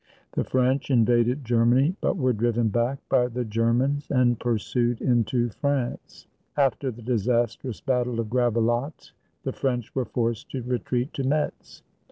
The French invaded Germany, but were driven back by the Germans and pursued into France. After the disastrous battle of Gravelotte, the French were forced to retreat to Metz.